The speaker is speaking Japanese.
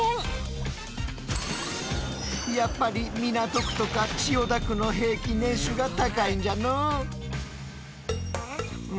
やっぱり港区とか千代田区の平均年収が高いんじゃのう。